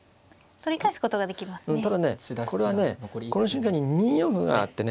これはねこの瞬間に２四歩があってね。